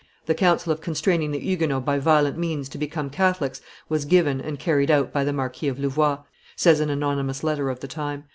"The counsel of constraining the Huguenots by violent means to become Catholics was given and carried out by the Marquis of Louvois," says an anonymous letter of the time.